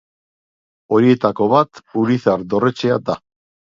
Horietako bat Urizar dorretxea da.